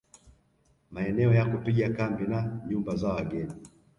Maeneo ya kupiga kambi na nyumba za wageni